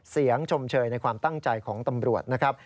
ชมเชยในความตั้งใจของตำรวจนะครับ